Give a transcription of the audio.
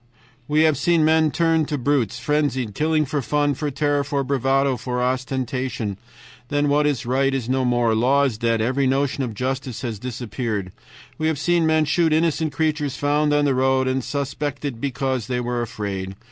"We have seen men turned to brutes, frenzied, killing for fun, for terror, for bravado, for ostentation. Then when right is no more, law is dead, every notion of justice has disappeared. We have seen men shoot innocent creatures found on the road, and suspected because they were afraid.